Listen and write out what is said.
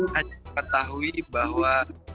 hanya ketahui bahwa